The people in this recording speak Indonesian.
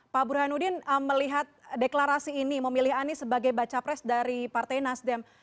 pak burhanuddin melihat deklarasi ini memilih anies sebagai baca pres dari partai nasdem